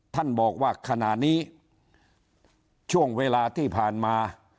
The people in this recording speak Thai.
ท่านบอกว่าขณะนี้ช่วงเวลาที่ผ่านมา